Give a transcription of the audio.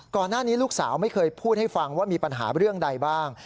ก่อนหน้านี้ลูกสาวไม่เคยพูดให้ฟังว่ามีปัญหาเรื่องใดบ้าง